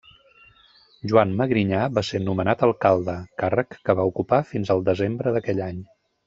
Joan Magrinyà va ser nomenat alcalde, càrrec que va ocupar fins al desembre d'aquell any.